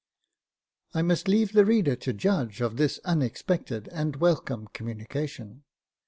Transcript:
'" I must leave the reader to judge of this unexpected and welcome communication.